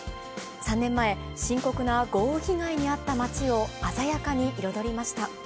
３年前、深刻な豪雨被害に遭った街を、鮮やかに彩りました。